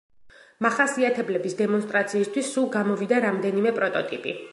მახასიათებლების დემონსტრაციისთვის სულ გამოვიდა რამდენიმე პროტოტიპი.